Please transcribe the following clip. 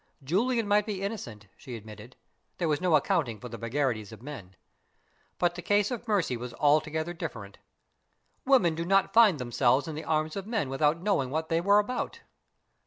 Julian might be innocent, she admitted there was no accounting for the vagaries of men. But the case of Mercy was altogether different. Women did not find themselves in the arms of men without knowing what they were about.